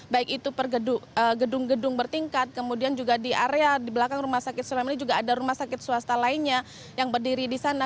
baik itu gedung gedung bertingkat kemudian juga di area di belakang rumah sakit surabaya ini juga ada rumah sakit swasta lainnya yang berdiri di sana